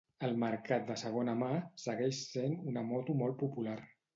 Al mercat de segona mà segueix sent una moto molt popular.